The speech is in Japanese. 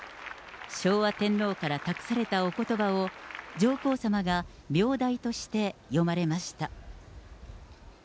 昭和天皇から託されたおことばを、上皇さまが名代として読まれました。